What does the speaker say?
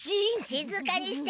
しずかにしてって。